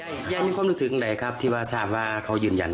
ก็จะเอาขึ้นไปขึ้นออกให้ตำรวจจับมันได้